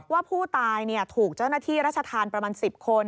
ว่าผู้ตายถูกเจ้าหน้าที่รัชธรรมประมาณ๑๐คน